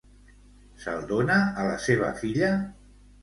Se'l dona a la seva filla?